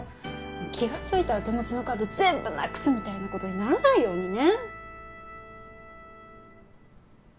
気がついたら手持ちのカード全部失くすみたいなことにならないようにね。